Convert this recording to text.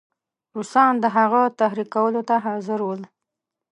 روسان د هغه تحریکولو ته حاضر ول.